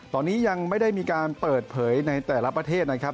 ตอนนี้ยังไม่ได้มีการเปิดเผยในแต่ละประเทศนะครับ